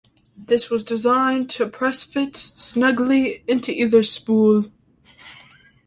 This was designed to press-fit snugly into either spool.